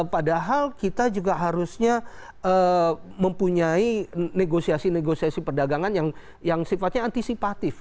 padahal kita juga harusnya mempunyai negosiasi negosiasi perdagangan yang sifatnya antisipatif